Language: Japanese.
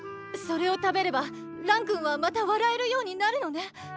それを食べれば蘭君はまた笑えるようになるのね？